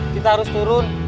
kita harus turun